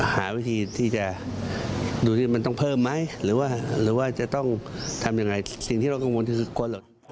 หาวิธีที่จะดูที่มันต้องเพิ่มไหมหรือว่าหรือว่าจะต้องทำยังไงสิ่งที่เรากังวลคือกลัวหรอก